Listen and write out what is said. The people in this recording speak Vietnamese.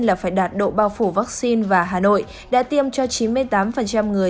là phải đạt độ bao phủ vaccine và hà nội đã tiêm cho chín mươi tám người